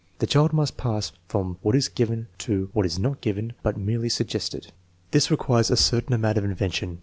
The child must pass from what is given to what is not given but merely suggested. This requires a certain amount of invention.